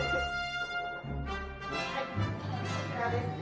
はいこちらですね。